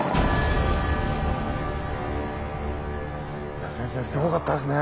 いや先生すごかったですね。